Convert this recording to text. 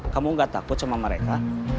kamu gak takut sama mereka